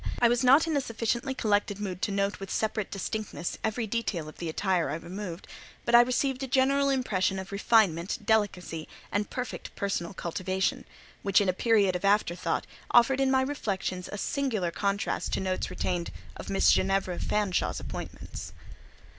I was not in a sufficiently collected mood to note with separate distinctness every detail of the attire I removed, but I received a general impression of refinement, delicacy, and perfect personal cultivation; which, in a period of after thought, offered in my reflections a singular contrast to notes retained of Miss Ginevra Fanshawe's appointments.